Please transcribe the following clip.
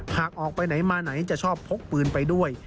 หากออกไปไหนมาไหนจะชอบพกปืนไปด้วย